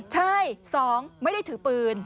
ใช่๒ไม่ได้ถือปืน